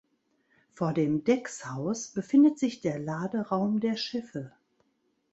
Vor dem Deckshaus befindet sich der Laderaum der Schiffe.